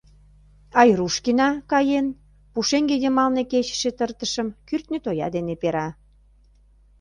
Айрушкина, каен, пушеҥге йымалне кечыше тыртышым кӱртньӧ тоя дене пера.